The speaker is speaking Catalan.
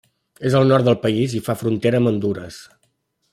És al nord del país i fa frontera amb Hondures.